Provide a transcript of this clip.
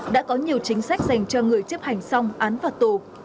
đã có nhiều chính sách dành cho người chấp hành xong án phạt tù